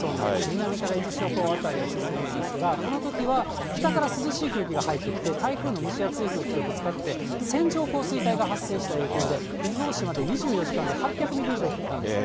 南から伊豆諸島辺りを進むんですが、このときは北から涼しい空気が入ってきて、台風の蒸し暑い空気とぶつかって、線状降水帯が発生した影響で、伊豆大島で、２４時間で８００ミリ以上、降ったんですね。